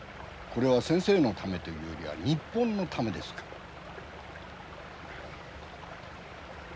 これは先生のためというよりは日本のためですから。